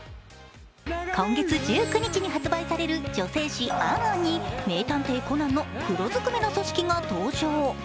今月１９日に発売される女性誌「ａｎ・ａｎ」に「名探偵コナン」の黒ずくめの組織が登場。